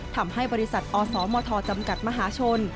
ทำให้บริษัทอสมทจำกัดมหาชน